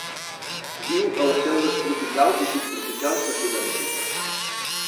Viu a les selves tropicals i subtropicals de Sud-amèrica.